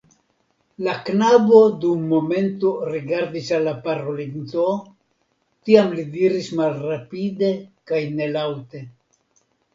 La knabo dum momento rigardis al la parolinto, tiam li diris malrapide kaj nelaŭte.